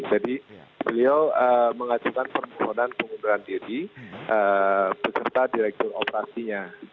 jadi beliau mengajukan permohonan pengunduran diri beserta direktur operasinya